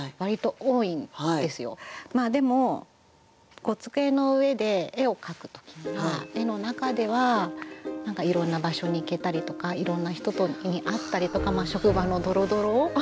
でも机の上で絵を描く時には絵の中では何かいろんな場所に行けたりとかいろんな人に会ったりとか職場のドロドロ？